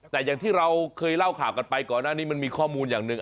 แต่อย่างที่เราเคยเล่าข่าวกันไปก่อนหน้านี้มันมีข้อมูลอย่างหนึ่ง